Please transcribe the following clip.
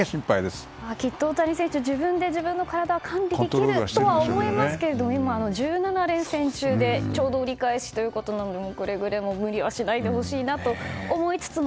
きっと大谷選手は自分で自分の体をコントロールできると思いますが今、１７連戦中でちょうど折り返しなのでくれぐれも無理はしないでほしいなと思いつつも